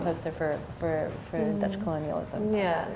untuk kolonialisme indonesia